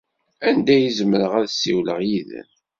Anda ay zemreɣ ad ssiwleɣ yid-m?